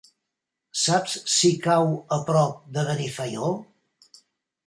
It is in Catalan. Saps si cau a prop de Benifaió?